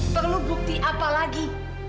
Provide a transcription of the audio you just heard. perlu bukti apa lagi